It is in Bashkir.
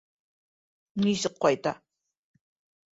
Нисек ҡайта?